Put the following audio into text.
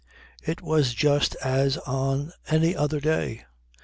It was just as on any other day.